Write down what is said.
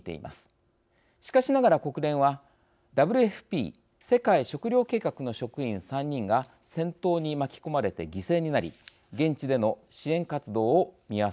しかしながら国連はＷＦＰ世界食糧計画の職員３人が戦闘に巻き込まれて犠牲になり現地での支援活動を見合わせています。